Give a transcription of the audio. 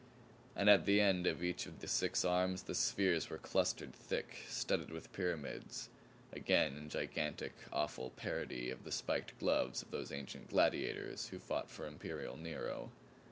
And at the end of each of the six arms the spheres were clustered thick, studded with the pyramids again in gigantic, awful, parody of the spiked gloves of those ancient gladiators who fought for imperial Nero.